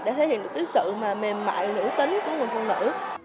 để thể hiện được cái sự mà mềm mại nữ tính của người phụ nữ